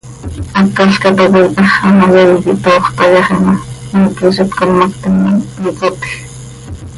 Hácalca tacoi hax ano yaii quih toox tayaxi ma, cmiique z itcommactim ma, micotj.